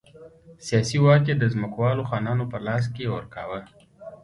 سیاسي واک یې د ځمکوالو خانانو په لاس کې ورکاوه.